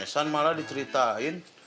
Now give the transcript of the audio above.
san malah diceritain